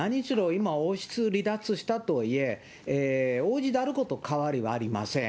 今、王室離脱したとはいえ、王子であること、変わりはありません。